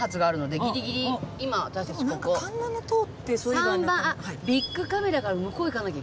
３番あっビックカメラがある向こうへ行かなきゃ。